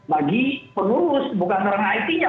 bagi pengurus bukan orang it nya